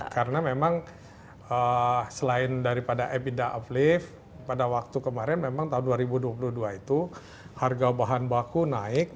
karena memang selain daripada ebitda uplift pada waktu kemarin memang tahun dua ribu dua puluh dua itu harga bahan baku naik